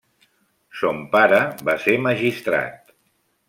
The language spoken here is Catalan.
Son pare va ser magistrat.